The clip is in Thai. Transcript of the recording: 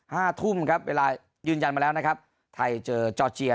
ห้าทุ่มครับเวลายืนจานมาแล้วนะครับภรรยาจเอเชยร์